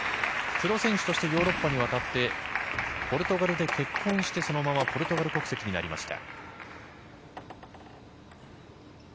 プロ選手としてヨーロッパに渡ってポルトガルで結婚してそのままポルトガル国籍になりました。